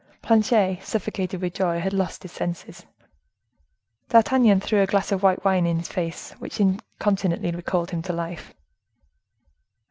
Planchet, suffocated with joy, had lost his senses. D'Artagnan threw a glass of white wine in his face, which incontinently recalled him to life.